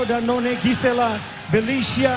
dan none gisela belisia